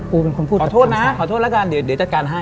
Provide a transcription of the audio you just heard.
พูดเป็นคนพูดกับคนชายอเจมส์ขอโทษนะขอโทษแล้วกันเดี๋ยวจัดการให้